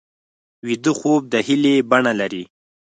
ویده خوب د هیلې بڼه لري